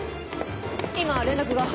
今連絡が。